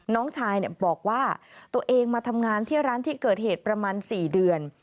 น้องชายบอกว่าตัวเองมาทำงานที่ร้านที่เกิดเหตุประมาณ๔เดือน